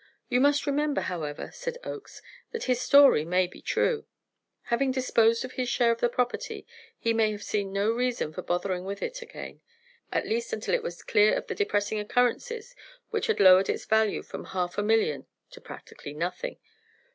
You must remember, however," said Oakes, "that his story may be true. Having disposed of his share of the property, he may have seen no reason for bothering with it again, at least until it was clear of the depressing occurrences which had lowered its value from half a million to practically nothing."